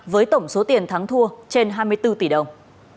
với tổng số tiền thắng thua trên hai mươi bốn tỷ đồng